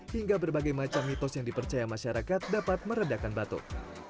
hingga berbagai macam mitos yang dipercaya masyarakat dapat meredakan batuk